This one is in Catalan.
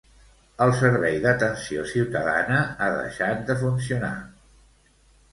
El servei d'Atenció ciutadana ha deixat de funcionar.